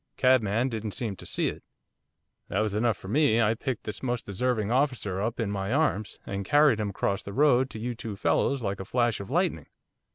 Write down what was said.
Cabman didn't seem to see it." That was enough for me, I picked this most deserving officer up in my arms, and carried him across the road to you two fellows like a flash of lightning.